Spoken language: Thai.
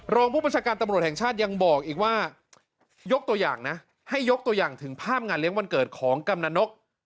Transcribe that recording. รองผู้บัญชาการตำรวจแห่งชาติยังบอกอีกว่ายกตัวอย่างนะให้ยกตัวอย่างถึงภาพงานเลี้ยงวันเกิดของกำนันนก